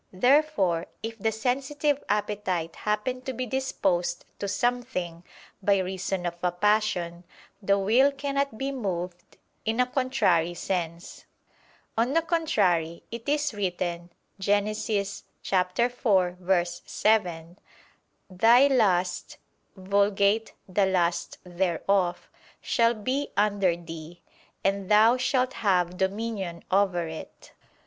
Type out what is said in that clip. Therefore, if the sensitive appetite happen to be disposed to something, by reason of a passion, the will cannot be moved in a contrary sense. On the contrary, It is written (Gen. 4:7): "Thy lust [Vulg. 'The lust thereof'] shall be under thee, and thou shalt have dominion over it."